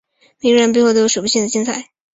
每个人背后都有数不清的精彩